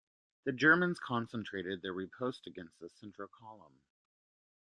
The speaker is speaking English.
The Germans concentrated their riposte against the central column.